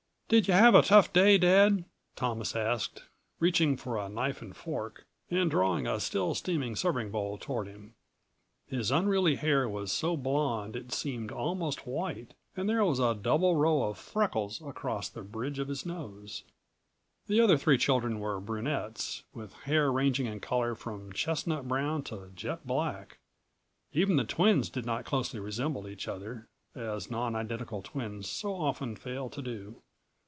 "Did you have a tough day, Dad?" Thomas asked, reaching for a knife and fork, and drawing a still steaming serving bowl toward him. His unruly hair was so blond it seemed almost white and there was a double row of freckles across the bridge of his nose. The other three children were brunettes, with hair ranging in color from chestnut brown to jet black. Even the twins did not closely resemble each other, as non identical twins so often fail to do.